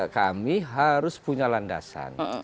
kami harus punya landasan